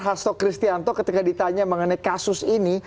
hasto kristianto ketika ditanya mengenai kasus ini